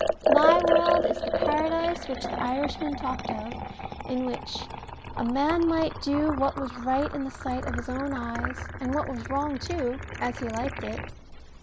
My world is the Paradise which the Irishman talked of, in which "a man might do what was right in the sight of his own eyes, and what was wrong too, as he liked it."